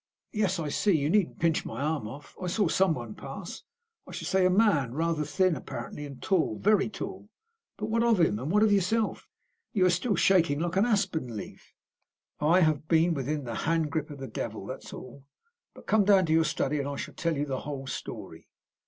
"Yes, I see; you needn't pinch my arm off. I saw someone pass. I should say a man, rather thin, apparently, and tall, very tall. But what of him? And what of yourself? You are still shaking like an aspen leaf." "I have been within hand grip of the devil, that's all. But come down to your study, and I shall tell you the whole story."